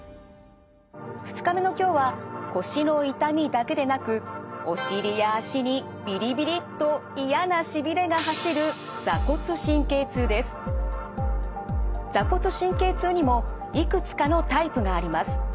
２日目の今日は腰の痛みだけでなくお尻や脚にビリビリッと嫌なしびれが走る坐骨神経痛にもいくつかのタイプがあります。